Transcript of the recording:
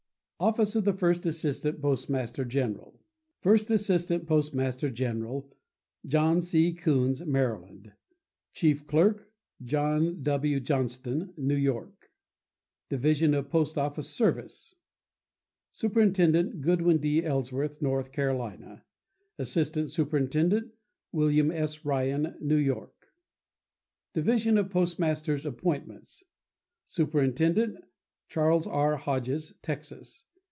OFFICE OF THE FIRST ASSISTANT POSTMASTER GENERAL First Assistant Postmaster General.—John C. Koons, Maryland. Chief Clerk.—John W. Johnston, New York, Division of Post Office Service.— Superintendent.—Goodwin D. Ellsworth, North Carolina. Assistant Superintendent.—William S. Ryan, New York. Division of Postmasters' Appointments.— Superintendent.—Charles R. Hodges, Texas.